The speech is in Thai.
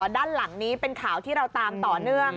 ด้านหลังนี้เป็นข่าวที่เราตามต่อเนื่อง